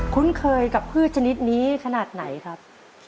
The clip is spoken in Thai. คุ้นเคยกับพืชชนิดนี้ขนาดไหนครับ